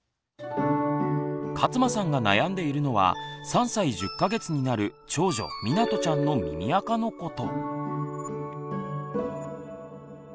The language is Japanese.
勝間さんが悩んでいるのは３歳１０か月になる長女みなとちゃんの耳あかのこと。